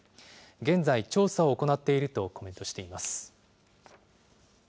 現在調査を行っているとコメントしています。